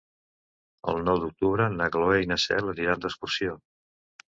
El nou d'octubre na Cloè i na Cel aniran d'excursió.